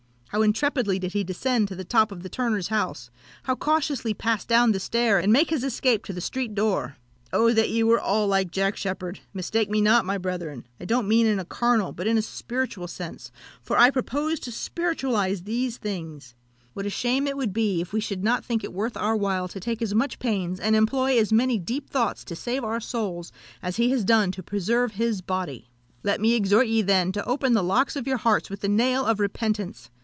How intrepidly did he descend to the top of the turner's house! how cautiously pass down the stair, and make his escape to the street door! "Oh, that ye were all like Jack Sheppard! Mistake me not, my brethren I don't mean in a carnal, but in a spiritual sense; for I propose to spiritualise these things. What a shame it would be if we should not think it worth our while to take as much pains, and employ as many deep thoughts to save our souls as he has done to preserve his body! "Let me exhort ye, then, to open the locks of your hearts with the nail of repentance!